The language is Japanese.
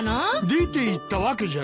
出ていったわけじゃない。